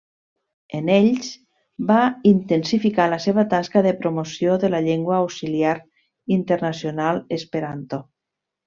En ells va intensificar la seva tasca de promoció de la llengua auxiliar internacional esperanto.